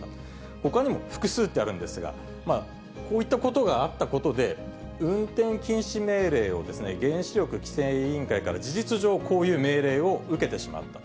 ほかにも複数ってあるんですが、こういったことがあったことで、運転禁止命令を原子力規制委員会から事実上、こういう命令を受けてしまった。